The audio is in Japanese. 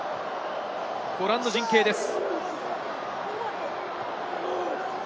ご覧の陣形です。